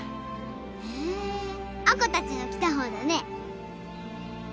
へぇ亜子たちの来た方だね。